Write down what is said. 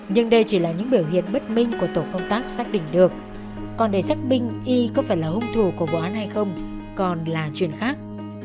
nhưng đây chỉ là những biểu hiện bất minh của tổ công tác xác định được còn để xác binh y có phải là hung thủ của vụ án hay không còn là chuyện khác